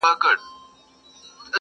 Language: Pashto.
چي په تیاره کي د سهار د راتلو زېری کوي،